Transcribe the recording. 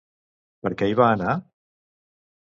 Per què hi va anar?